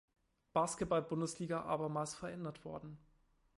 Basketball-Bundesliga abermals verändert worden.